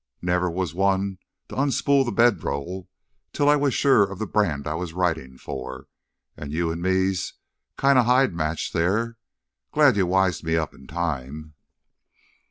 Never was one to unspool th' bedroll till I was sure o' th' brand I was ridin' for. An' you an' me's kinda hide matched there. Glad you wised me up in time."